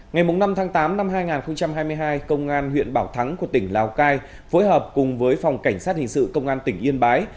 ngày năm tháng tám năm hai nghìn hai mươi hai công an huyện bảo thắng của tỉnh lào cai phối hợp cùng với phòng cảnh sát hình sự công an tỉnh yên bái